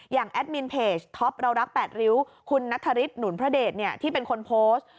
แอดมินเพจท็อปเรารัก๘ริ้วคุณนัทธริสหนุนพระเดชที่เป็นคนโพสต์